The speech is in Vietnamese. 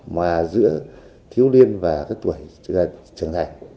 mà giữa thiếu niên và tuổi trưởng thành